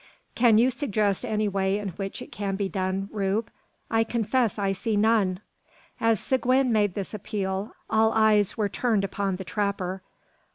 "Can you suggest any way in which it can be done, Rube? I confess I see none." As Seguin made this appeal, all eyes were turned upon the trapper.